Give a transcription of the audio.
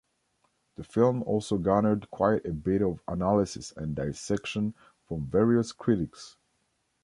The film also garnered quite a bit of analysis and dissection from various critics.